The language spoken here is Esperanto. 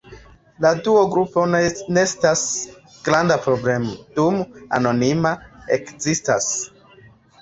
La dua grupo ne estas granda problemo, dum anonima ekzistas.